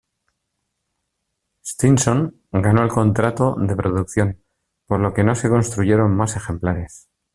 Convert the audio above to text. Stinson ganó el contrato de producción, por lo que no se construyeron más ejemplares.